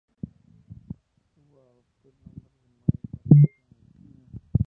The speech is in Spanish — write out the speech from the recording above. Suwa adoptó el nombre de Maybach Taniguchi Jr.